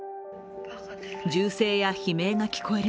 銃声や悲鳴が聞こえる